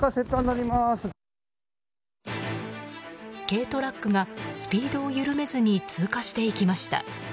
軽トラックがスピードを緩めずに通過していきました。